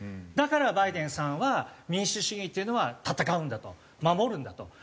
だからバイデンさんは民主主義っていうのは闘うんだと守るんだと。